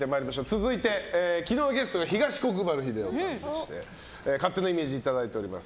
続いて、昨日のゲストが東国原英夫さんでして勝手なイメージいただいております。